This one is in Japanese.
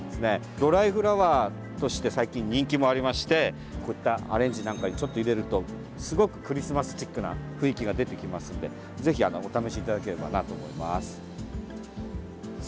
ドライフラワーとして最近、人気もありましてこういったアレンジなんかにちょっと入れるとすごくクリスマスチックな雰囲気が出てきますのでぜひお試しいただければなと思います。